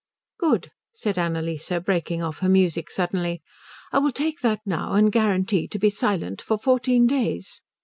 "Good," said Annalise, breaking off her music suddenly. "I will take that now and guarantee to be silent for fourteen days.